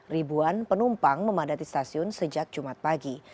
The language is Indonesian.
ribuan penumpang memadati stasiun sejak jumat pagi